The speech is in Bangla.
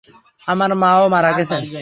আমার মা-ও মারা গেছেন।